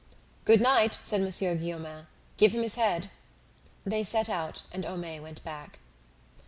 "Good night," said Monsieur Guillaumin. "Give him his head." They set out, and Homais went back.